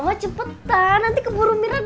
iy mama cepetan nanti keburu mira dateng